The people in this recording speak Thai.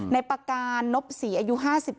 ในปาการนพ๔อายุ๕๗